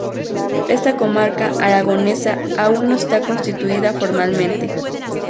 Esta comarca aragonesa aún no está constituida formalmente.